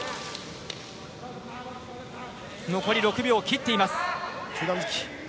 残り６秒を切っています。